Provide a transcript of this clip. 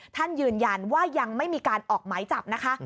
ท่านยืนยันว่ายังไม่มีการออกหมายจับนะคะ